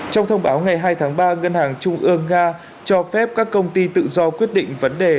trong thông báo ngày hai tháng ba ngân hàng trung ương nga cho phép các công ty tự do quyết định vấn đề